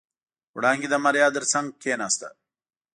وړانګې د ماريا تر څنګ کېناسته.